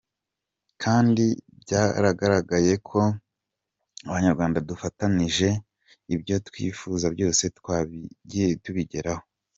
Kandi byaragaragaye ko, Abanyarwanda dufatanije, ibyo twifuza byose twagiye tubigeraho.